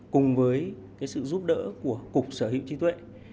cùng với sự giúp đỡ của cục sở hữu trí tuệ